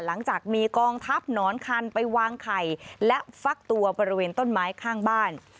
หลังจากมีกองทัพหนอนคันไปวางไข่และฟักตัวบริเวณต้นไม้ข้างบ้าน